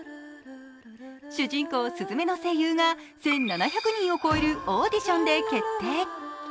主人公・すずめの声優が１７００人を超えるオーディションで決定。